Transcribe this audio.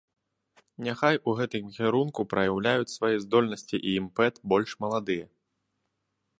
Няхай у гэтым кірунку праяўляюць свае здольнасці і імпэт больш маладыя.